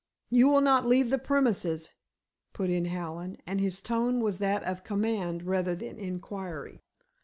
"You will not leave the premises," put in Hallen, and his tone was that of command rather than inquiry.